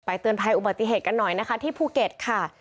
เตือนภัยอุบัติเหตุกันหน่อยนะคะที่ภูเก็ตค่ะ